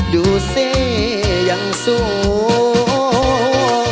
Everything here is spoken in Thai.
ดูสิยังสวย